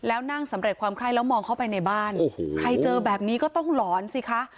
แล้วนั่งสำเร็จความไข้แล้วมองเข้าไปในบ้านโอ้โหใครเจอแบบนี้ก็ต้องหลอนสิคะ